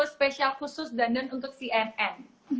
thank you spesial khusus dan untuk cnn